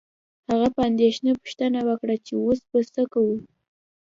هغه په اندیښنه پوښتنه وکړه چې اوس به څه کوو